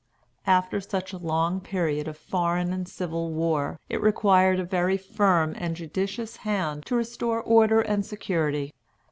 After such a long period of foreign and civil war, it required a very firm and judicious hand to restore order and security.